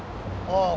ああ。